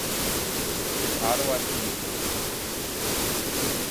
His Ottawa team finished first, too.